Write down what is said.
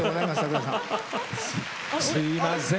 すいません。